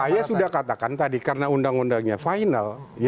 saya sudah katakan tadi karena undang undangnya final